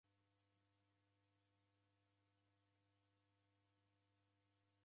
Okota kina ukasiria magome ghake.